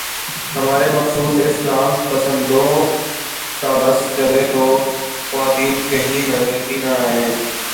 ہمارے مخصوص اسلام پسندوں کا بس چلے تو خواتین کہیں نظر ہی نہ آئیں۔